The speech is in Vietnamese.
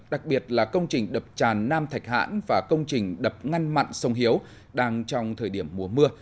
đặc biệt là công trình đập tràn nam thạch hãn và công trình đập ngăn mặn sông hiếu đang trong thời điểm mùa mưa